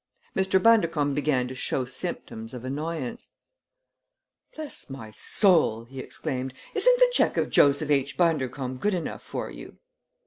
Mr. Bundercombe began to show symptoms of annoyance. "Bless my soul!" he exclaimed. "Isn't the check of Joseph H. Bundercombe good enough for you?"